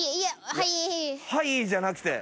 「はいー」じゃなくて。